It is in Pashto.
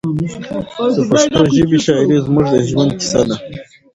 د پښتو ژبې شاعري زموږ د ژوند کیسه ده.